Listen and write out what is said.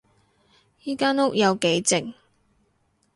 依間屋有幾靜